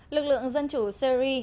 lực lượng dân chủ syri